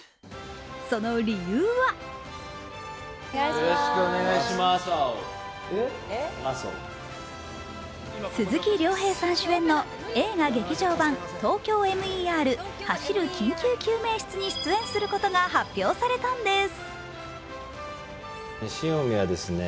その理由が鈴木亮平さん主演の映画劇場版「ＴＯＫＹＯＭＥＲ走る緊急救命室」に出演することが発表されたんです。